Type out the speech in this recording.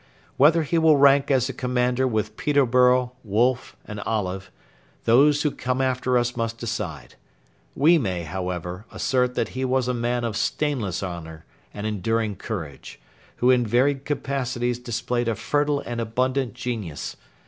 Whether he will rank as a commander with Peterborough, Wolfe, and Olive, those who come after us must decide. We may, however, assert that he was a man of stainless honour and enduring courage, who in varied capacities displayed a fertile and abundant genius.